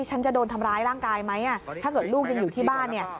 ฉันจะโดนทำร้ายร่างกายไหมถ้าเกิดลูกยังอยู่ที่บ้านเนี่ย